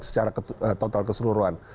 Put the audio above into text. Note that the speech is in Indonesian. secara total keseluruhan